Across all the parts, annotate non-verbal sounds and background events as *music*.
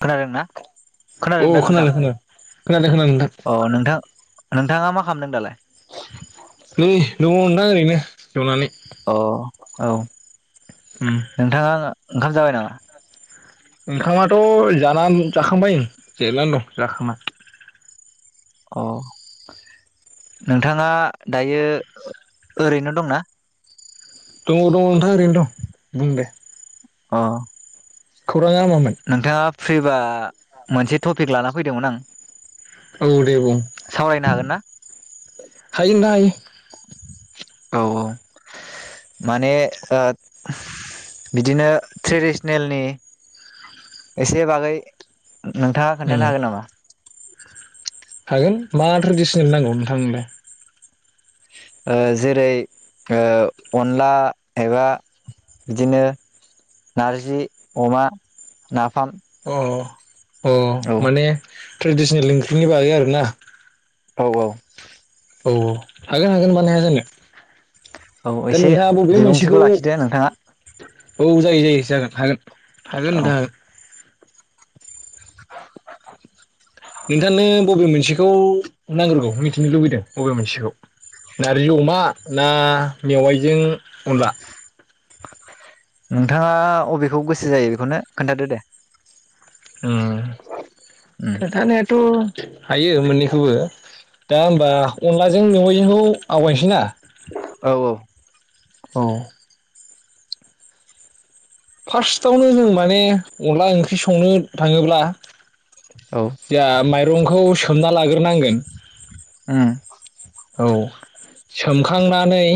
खोनादों ना औ खोनादों दा नोंथां खोनादों खोनादों खोनादों नोंथां अ नोंथां? नोंथाङा मा खालामदों दालाय? नै दङ ओनथां ओरैनो जनानै। अ औ। उम नोंथाङा ओंखाम जाबाय नामा? ओंखामाथ' जाना जाखांबाय उम जेरायना दं जाखांना। अ नोंथाङा दायो ओरैनो दंना? दङ दङ नोंथां ओरैनो दं बुं दे। अ खौराङा मामोन? नोंथाङा फ्रिबा मोनसे टपिक लाना फैदोंमोन आं। औ दे बुं सावरायनो हागोन ना हायो ओनथां हायो औ औ माने ओ बिदिनो ट्रेडिसनेलनि एसे बागै नोंथाङा उम खोन्थानो हागोन नामा? हागोन मा ट्रेडिसनेल नांगौ नोंथांनोलाय? ओ जेरै ओ अनला एबा बिदिनो नारजि, अमा, नाफाम अ अ औ माने ट्रेडिसनेल ओंख्रिनि बागै आरोना? औ औ औ हागोन हागोन मानो हाया जानो। औ दा एसे नोंथाङा बबे मोनसेखौ बिबुंथिखौ लाखिदो नोंथाङा। औ जायो जायो जागोन हागोन। हागोन औ नोंथां नोंथांनो बबे मोनसेखौ नांग्रोगौ मिथिनो लुबैदों बबे मोनसेखौ नारजि अमा ना मेवाइजों अनला? नोंथाङा अबेखौ गोसो जायो बेखौनो खोन्थादो दे उम उम खोनथानायाथ' हायो मोननैखौबो दा होमबा अनलाजों मेवाइजोंखौ आवगायनोसै ना औ औ औ फार्स्टआवनो जों माने अनला ओंख्रि संनो थाङोब्ला औ जा माइ रंखौ सोमना लाग्रोनांगोन ओम औ सोमखांनानै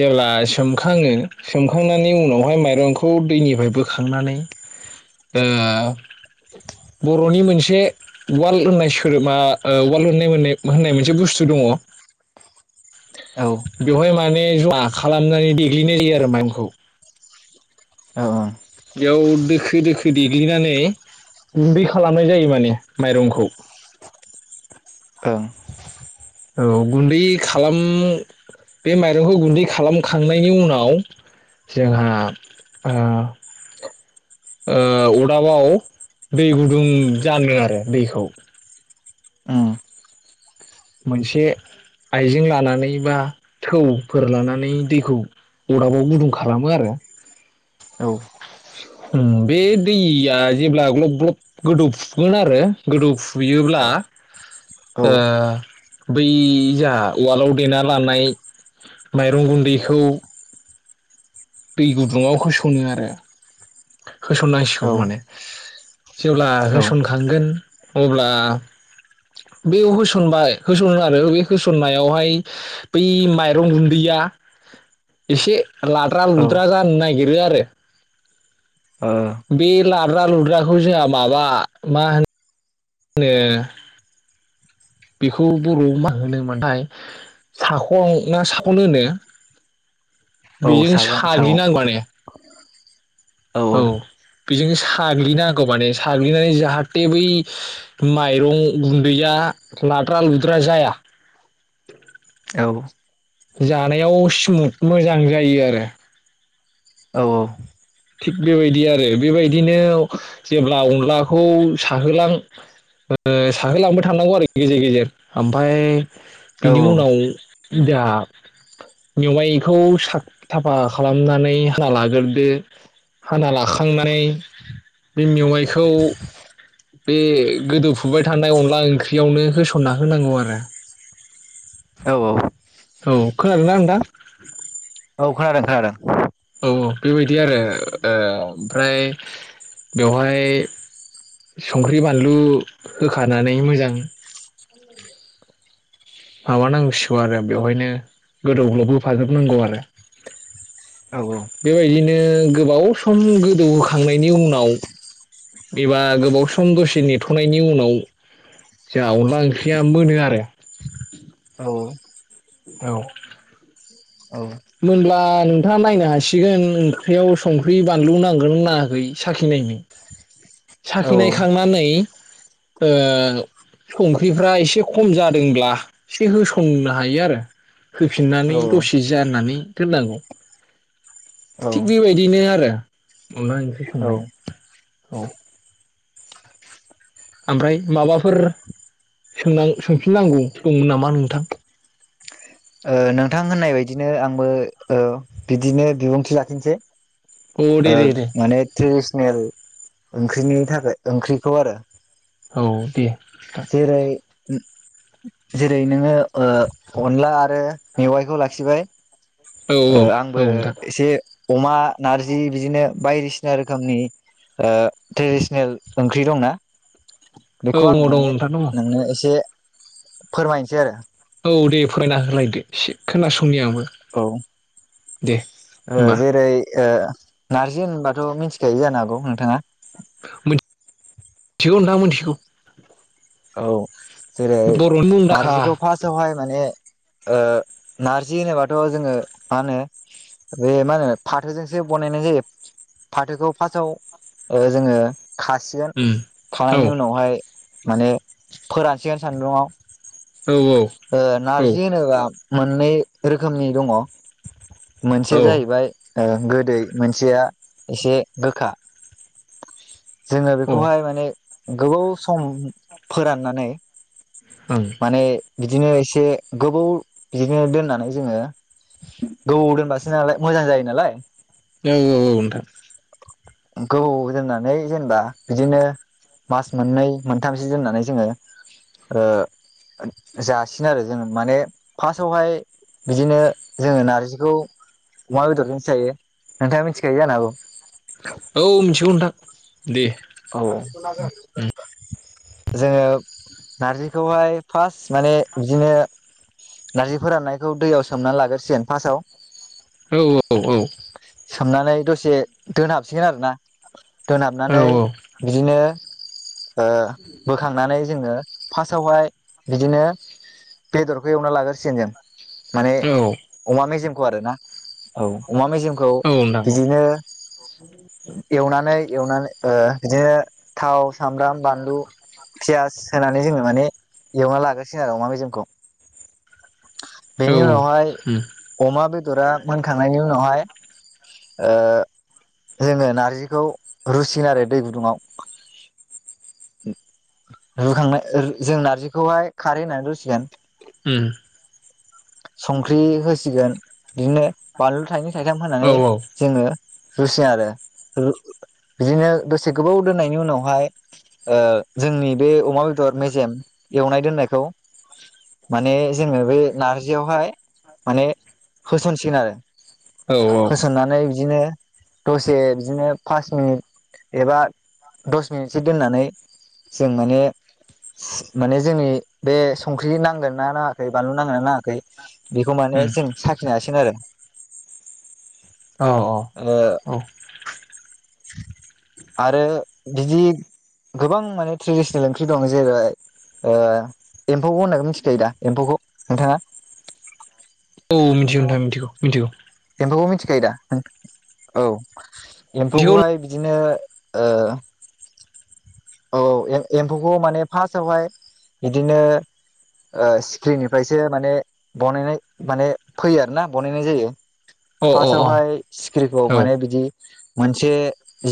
जेब्ला सोमखाङो सोमखांनानै उनावहाय माइरंखौ दैनिफ्राय बोखांनानै ओ बर'नि मोनसे उवाल होननाय सोदोबा उवाल नायनाय *unintelligible* होननाय मोनसे बुस्थु दङ औ बेवहाय माने ज'मा खालामनानै देग्लिनाय जायो आरो माइरंखौ औ ओं बेयाव दोखो दोखो देग्लिनानै गुनदै खालामनाय जायो माने माइरंखौ ओं औ गुनदै खालाम बे माइरंखौ गुनदै खालामखांनायनि उनाव जोंहा अरदाबाव दै गुदुं जानो आरो दैखौ उम मोनसे आइजें लानानै बा थौफोर लानानै दैखौ अरदाबाव गुदुं खालामो आरो औ ओम बे दैया जेब्ला ग्लब ग्लब गोदौफुगोन आरो गोदौफुयोब्ला औ बै जाहख उवालाव देना लानाय माइरं गुनदैखौ दै गुदुङाव होस'नो आरो होसननांसिगौ माने जेब्ला औ होसनखांगोन अब्ला बेयाव होसनबाय होसन आरो बे होसननायावहाय बै माइरं गुनदैया एसे लाद्रा औ ओ लुद्रा जानो नागिरो आरो बे लाद्रा-लुद्राखौ जोंहा माबा मा होनो मा होनो बेखौ बर'आव मा होनोमोनथाय साखं ना साखन होनो औ बेजों सागं सागं साग्लिनांगौ आरो औ बेजोंनो साग्लिनांगौ माने साग्लिनानै जाहाथे बै माइरं गुनदैया लाद्रा-लुद्रा जाया औ जानायाव स्मुथ मोजां जायो आरो औ थिग बेबायदि आरो बेबायदिनो जेब्ला अनलाखौ साहोलां साहोलांबाय थांनांगौ आरो गेजेर गेजेर ओमफ्राय औ बिनि उनाव जाहा मेवाइखौ साफा खालामनानै हाना लाग्रोदो हाना लाखांनानै बे मेवाइखौ बे गोदौफुबाय थानाय अनला ओंख्रियावनो होसनना होनांगौ आरो औ औ खोनादोंना नोंथां औ खोनादों खोनादों औ औ बेबायदि आरो ओ ओमफ्राय बेवहाय संख्रि बानलु होखानानै मोजां माबानांसिगौ आरो औ बेवहायनो गोदौग्लावबोफाजोबनांगौ आरो औ औ बेबायदिनो गोबाव सम गोदौहोखांनायनि उनाव एबा गोबाव सम दसे नेथ'नायनि उनाव जोंहा अनला ओंख्रिया मोनो आरो औ औ औ होनब्ला नोंथाङा नायनो हासिगोन ओंख्रियाव संख्रि बानलु नांगोनना नाङाखै साखिनायनो औ साखिनायखांनानै संख्रिफ्रा एसे खम जादोंब्ला एसे होसननो हायो आरो होफिननानै दसे जि जाननानै दोननांगौ औ थिग बेबायदिनो आरो अनला ओंख्रि ओ संनाया औ ओमफ्राय माबाफोर सों सोंफिननांगौ दंमोन नामा नोंथां नोंथां होननाय बायदिनो आंबो बिदिनो बिबुंथि लाखिनसै औ दे ओ दे दे माने ट्रेदिसे- नेल ओंख्रिनि थाखाय ओंख्रिखौ आरो औ दे जेरै जेरै नोङो अनला आरो मेवाइखौ लाखिबाय औ औ आंबो नोंथां एसे अमा नारजि बिदिनो बायदिसिना रोखोमनि ट्रेडिसनेल ओंख्रि दंना औ बेखौ आं दङ दङ माने नोंथां दङ नोंनो एसे फोरमायनोसै आरो। औ दे फोरमायना होलायदो एसे खोनासं नि आंबो। औ दे ओ होमबा जेरै ओ नारजि होनबाथ' मिनथिखायो जानो हागौ नोंथाङा। मोन थिगौ नोंथां मोनथिगौ। औ जेरै मुंदांखा नारजिखौ फारसावहाय माने ओ नारजि होनोबाथ' जोङो मा होनो बे मा होनो फाथोजोंसो बनायनाय जायो फाथोखौ फासाव ओ जोङो खासिगोन उम औ खानायनि उनावहाय माने फोरानसिगोन सान्दुङाव। औ ओ नारजि होनोबा मोननै रोखोमनि दङ। मोनसेया जाहैबाय- ओ गोदै मोनसेया एसे गोखा जोङो ओं बेखौहाय माने गोबाव सम फोराननानै औ माने बिदिनो एसे गोबौ बिदिनो दोननानै जोङो गोबौ दोनबासो नालाय मोजां जायो नालाय। औ औ औ नोंथां। गोबौ दोननानै जेनबा बिदिनो मास मोननै मोनथामसो दोननानै जोङो ओ जासिनो आरो जोंङो माने फासावहाय बिदिनो जोङो नारजिखौ अमा बेदरजोंसो जायो नोंथाङा मिथिखायो जानो हागौ। औ मोनसिथिगौ नोंथां दे। औ जोङो नारजिखौहाय फास माने बिदिनो नारजि फोराननायखौ दैयाव सोमनानै लागोरसिगोन फासाव। औ औ औ सोमनानै दसे दोनहाबसिगोन आरोना। औ दोनहाबनानै बिदिनो ओ बोखांनानै जोङो फारसावहाय बिदिनो बेदरखौ एवना लागोरसिगोन जों माने औ अमा मेजेम खौ आरो ना औ अमा मेजेम औ नोंथां औ। एवना एवनानै *inaudible* बिदिनो थाव सामब्राम बानलु पियास होनानै जोङो माने एवना लागासिनो आरो अमा बेजेमखौ औ बेनि उनावहाय उम अमा बेदरा मोनखांनायनि उन *unintelligible* जोङो नारजिखौ रुसिगोन आरो दै गुदुङाव रुखांनो जों नारजिखौहाय खारै होनानै रुसिगोन *unintelligible* संख्रि होसिगोन बिदिनो बानलु थाइनै थाइथाम औ होनानै जोङो रुसिगोन आरो बिदिनो दसे गोबाव दोननायनि उनावहाय जोंनि बे अमा बेदर मेजेम एवनाय दोननायखौ माने जोङो बे नारजियावहाय माने होसनसिगोन आरो औ उम होसननानै इदिनो दसे बिदिनो फास मिनिट एबा दस मिनिटसो दोननानै जों माने माने जोंनि बे संख्रि नांगोन ना नाङाखै बानलु नांगोना‌ नाङाखै बेखौ माने जों साखिनो हसिगोन आरो औ ओ औ आरो बिदि गोबां माने ट्रेडिसनेल ओंख्रि दं जेरै ओ एम्फौ होननाखौ मिथिखायो दा एम्फौखौ नोंथाङा औ मिथिगौ नोंथां मिथिगौ मिथिगौ एमफौखौ मिथिखायो दा औ मिथिगौ एम्फौखौहाय बिदिनो ओ औ एम्फौखौ माने फार्स्टावहाय इदिनो ओ सिक्रिनिफ्रायसो माने बनायनाय माने फैयो आरो ना बनायनाय जायो अ अ फार्स्टावहाय सिखिरिखौ औ माने बिदि मोनसे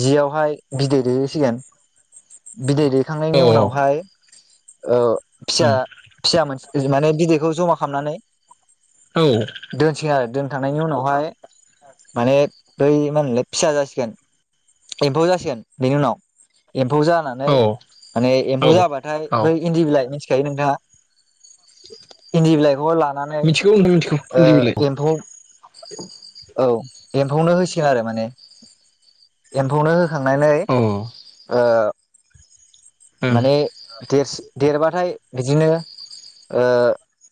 जियावहाय बिदै दैहैसिगोन बिदै दैहो खांनायनि औ उनावहाय ओ फिसा उम फिसा मोनसे माने बिदैखौ जमा खालामनानै औ दोनसै आरो दोन थांनायनि उनावहाय माने बै मा होनलाय फिसा जासिगोन एम्फौ जासिगोन बेनि उनाव एम्फौ जानानै औ माने एम्फौ जाबाथाय औ बै इन्दि बिलाइ *unintelligible* *unintelligible* नोंथाङा इन्दि बिलाइ लानानै मिथिगौ नोंथां मिथिगौ ओ बिलाय औ एम्फौ औ एम्फौनो होसिगोन आरो माने। एम्फौनो हो खांनानै ओ ओं माने देरसि देरबाथाय बिदिनो ओ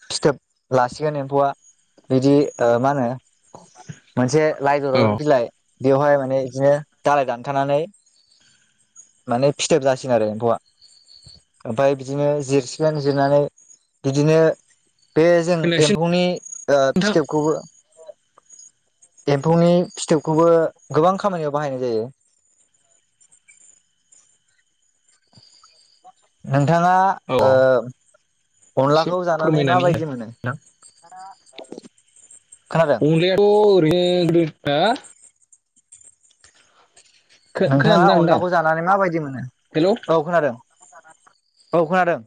फिथोब लासिगोन एम्फौआ बिदि ओ मा होनो मोनसे लाइ दलर औ बिलाइ बेयावहाय माने इदिनो दालाय दानथानानै माने फिथोब जासिगोन आरो एम्फौआ। ओमफाय बिदिनो जिरसिगोन जिरनानै बिदिनो बे जों खोनायासै एम्फौनि ओ नोंथां फिथोबखौबो एम्फौनि फिथोबखौबो गोबां खामानियाव बाहायनाय जायो। नों औ से अनलाखौ जानानै फोरमायनानै हो माबायदि मोनो? ना खोनादों अनलायाथ' ओरैनो *unintelligible* हो? नोंथाङा खोनादोंना नोंथां अनलाखौ जानानै माबायदि मोनो? हेलौ औ खोनादों। औ खोनादों।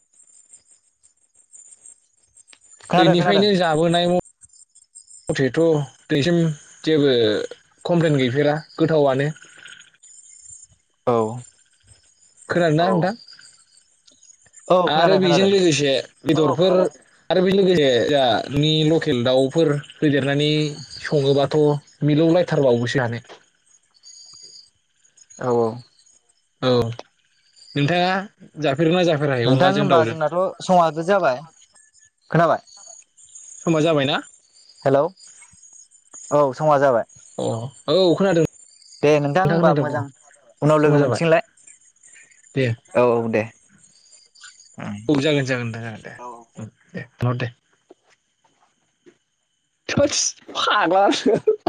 खोनादों खोनादों उन्दैनिफ्रायनो जाबोनाय अ मथेथ' दिनैसिम जेबो कमप्लेन गैफेरा गोथावानो। औ खोनादोंना नोंथां? आरो खोनादों बेजों खोनादों लोगोसे बेदरफोर आरो *inaudible* नि लकेल दाउफोर होदेरनानै सङोबाथ' मिलौ लायथार बावोसो जानो। औ औ। औ नोंथाङा जा नोंथां होनबा जोंनाथ' समाबो जाबाय। खोनाबाय? समा जाबायना? हेलौ औ समा जाबाय। अ औ खोनादों। दे नोंथां होमबा खोनादों औ मोजां उनाव समा लोगो जाबाय मोनसिगोनलाय दे औ औ दे। उम औ जागोन जागोन नोंथां जागोन। दे औ उम दे नर दे थोस फाग्ला *unintelligible*